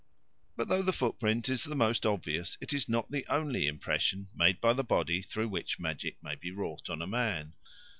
But though the footprint is the most obvious it is not the only impression made by the body through which magic may be wrought on a man.